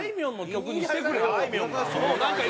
あいみょんが？